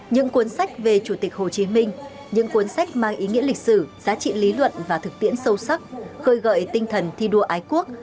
những cuốn sách về chủ tịch hồ chí minh những cuốn sách mang ý nghĩa lịch sử giá trị lý luận và thực tiễn sâu sắc khơi gợi tinh thần thi đua ái quốc